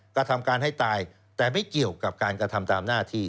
กระทำการให้ตายแต่ไม่เกี่ยวกับการกระทำตามหน้าที่